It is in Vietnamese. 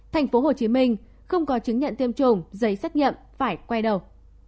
thành phố hồ chí minh không có chứng nhận tiêm chủng giấy xét nghiệm phải quay đầu